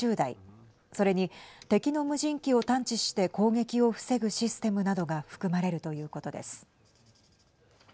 それに、敵の無人機を探知して攻撃を防ぐシステムなどが含まれるということです。